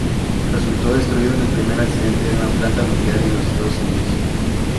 Resultó destruido en el primer accidente de una planta nuclear en los Estados Unidos.